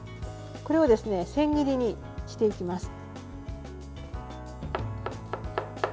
これを千切りにしていきます。